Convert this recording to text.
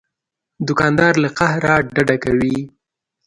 دوکاندار له قهره ډډه کوي.